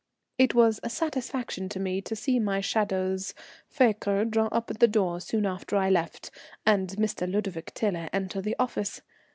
It was a satisfaction to me to see my "shadow's" fiacre draw up at the door soon after I left, and Mr. Ludovic Tiler enter the office.